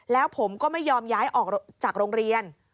แล้วผมก็ไม่ยอมย้ายออกจากโรงเรียน